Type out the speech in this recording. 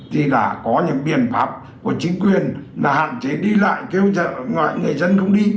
thì đã có những biện pháp của chính quyền là hạn chế đi lại kêu gọi người dân không đi